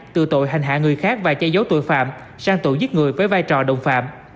từ tội hành hạ người khác và che giấu tội phạm sang tội giết người với vai trò đồng phạm